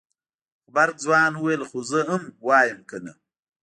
غبرګ ځوان وويل خو زه ام وايم کنه.